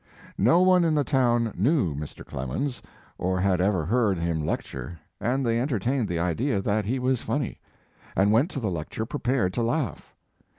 No one in the town knew Mr. Clemens, or had ever heard him lec ture, and they entertained the idea that he was funny, and went to the lecture prepared to laugh.